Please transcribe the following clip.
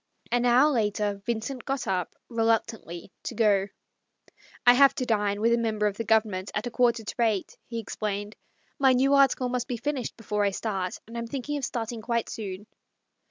An hour later Vincent got up reluctantly to go. " I have to dine with a member of the Government at a quarter to eight," he ex plained. " My new article must be finished before I start, and I'm thinking of starting quite soon."